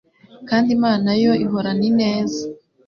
kandi Imana yo ihorana ineza?